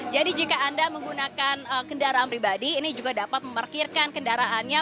jadi jika anda menggunakan kendaraan pribadi ini juga dapat memarkirkan kendaraannya